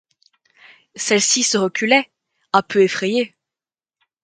Celle-ci se reculait, un peu effrayée.